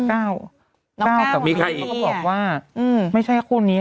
ก้าวน้องก้าวกับมีใครอีกเขาก็บอกว่าอืมไม่ใช่คู่นี้